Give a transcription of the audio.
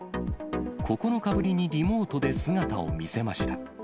９日ぶりにリモートで姿を見せました。